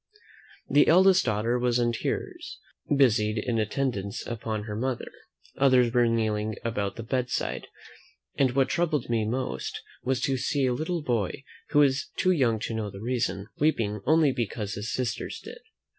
The eldest daughter was in tears, busied in attendance upon her mother; others were kneeling about the bedside: and what troubled me most, was, to see a little boy, who was too young to know the reason, weeping only because his sisters did.